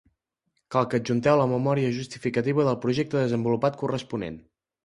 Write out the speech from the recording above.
Cal que adjunteu la memòria justificativa del projecte desenvolupat corresponent.